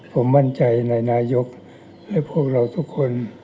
ผมมั่นใจในนายกและพวกเราทุกคน